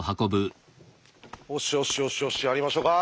よしよしよしやりましょか！